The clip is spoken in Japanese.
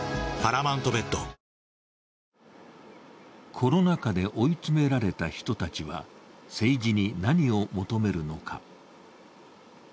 コロナ禍で追い詰められた人たちは政治に何を求めるのか。